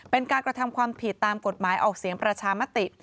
เป็นการกระทำความผิดตามกฎหมายออกเสียงประชามติ